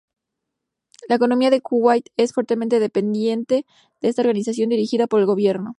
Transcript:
La economía de Kuwait es fuertemente dependiente de esta organización dirigida por el gobierno.